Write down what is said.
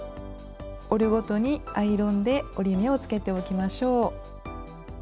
折るごとにアイロンで折り目をつけておきましょう。